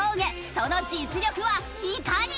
その実力はいかに！？